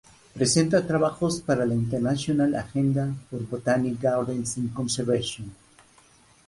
Presenta trabajos para la International Agenda for Botanic Gardens in Conservation.